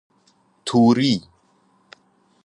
توری